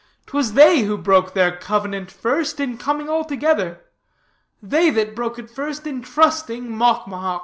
'Twas they who broke their covenant first, in coming all together; they that broke it first, in trusting Mocmohoc."'